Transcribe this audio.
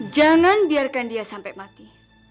jangan biarkan dia sampai mati